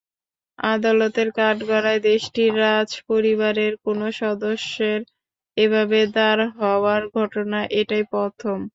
আদালতের কাঠগড়ায় দেশটির রাজপরিবারের কোনো সদস্যের এভাবে দাঁড় হওয়ার ঘটনা এটাই প্রথম।